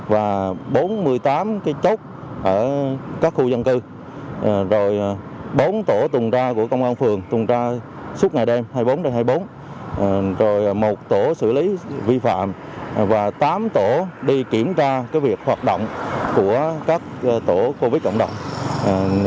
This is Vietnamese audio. bốn mươi tám cái chốt ở các khu dân cư rồi bốn tổ tùng tra của công an phường tùng tra suốt ngày đêm hai mươi bốn h hai mươi bốn h rồi một tổ xử lý vi phạm và tám tổ đi kiểm tra cái việc hoạt động của các tổ covid cộng đồng